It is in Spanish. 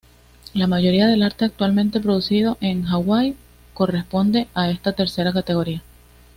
La mayoría del arte actualmente producido en Hawái corresponde a esta tercera categoría.